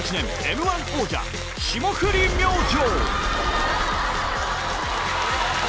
Ｍー１王者、霜降り明星。